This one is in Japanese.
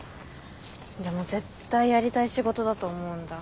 でも絶対やりたい仕事だと思うんだ。